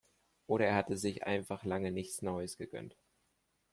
Oder er hatte sich einfach lange nichts Neues gegönnt.